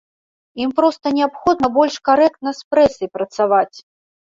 Ім проста неабходна больш карэктна з прэсай працаваць.